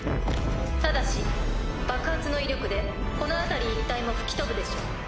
ただし爆発の威力でこの辺り一帯も吹き飛ぶでしょう。